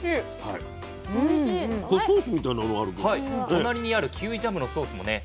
隣にあるキウイジャムのソースもね